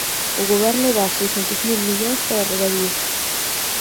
O Goberno dá seiscentos mil millóns para regadíos